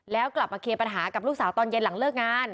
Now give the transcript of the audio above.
แล้วกลับมาเคลียร์ปัญหากับลูกสาวตอนเย็นหลังเลิกงาน